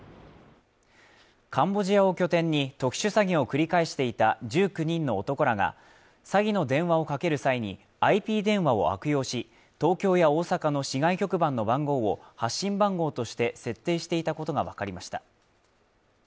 カンボジアを拠点に特殊詐欺を繰り返していた１９人の男らが詐欺の電話をかける際に、ＩＰ電話を悪用し、東京や大阪の市外局番の番号を発信番号として設定していたことがわかりました。